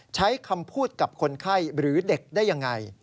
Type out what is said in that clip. ใช้คำพูดกับคนไข้หรือเด็กได้ยังไง